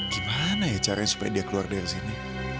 gimana ya caranya supaya dia keluar dari sini